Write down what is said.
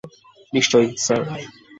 নিশ্চয়ই স্যার।